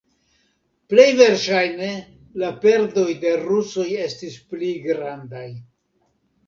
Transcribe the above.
Plej verŝajne la perdoj de rusoj estis pli grandaj.